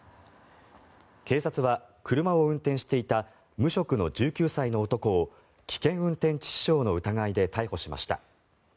警察は車を運転していた無職の１９歳の男を危険運転致死傷の疑いで逮捕しました。